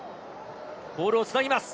ボールを繋ぎます。